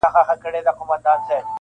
په کهاله کي د مارانو شور ماشور سي-